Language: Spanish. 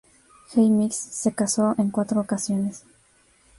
Hemmings se casó en cuatro ocasiones.